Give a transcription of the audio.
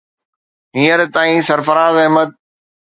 هينئر تائين سرفراز احمد